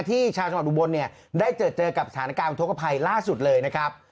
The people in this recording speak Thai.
ที่ชาวชมอบอุบลได้เจอกับฐานการณ์วงธกภัยล่าสุดเลยนะครับ